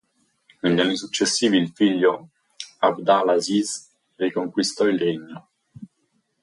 Negli anni successivi, il figlio ʿAbd al-ʿAzīz riconquistò il regno.